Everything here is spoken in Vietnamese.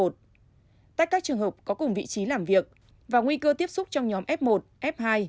tách các trường hợp có cùng vị trí làm việc và nguy cơ tiếp xúc trong nhóm f một f hai